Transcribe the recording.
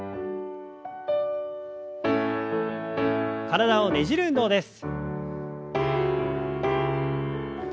体をねじる運動です。